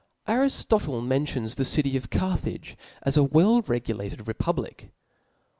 .•'■'■*_• ARISTOTLTE mentions the city of Car *^ thage as a well regulated republic.